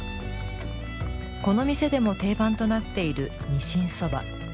この店でも定番となっているにしんそば。